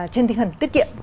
trên tinh thần tiết kiệm